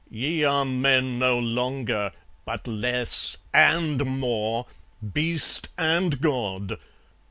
Ye are men no longer, but less and more, Beast and God.